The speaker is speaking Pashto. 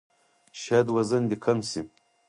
شاید وزن دې کم شي!